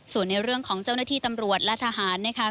ส่วนในเรื่องของเจ้าหน้าที่ตำรวจและทหารนะคะ